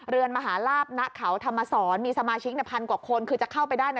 เรือนมหาลาบณเขาธรรมศรมีสมาชิกในพันกว่าคนคือจะเข้าไปได้นะ